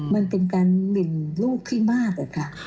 มันเป็นการหมินลูกที่มากอะค่ะ